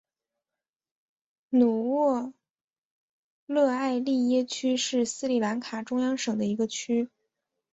努沃勒埃利耶区是斯里兰卡中央省的一个区。